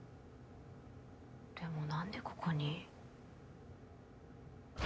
でもなんでここに？